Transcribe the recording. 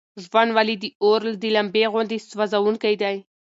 ژوند ولې د اور د لمبې غوندې سوزونکی دی؟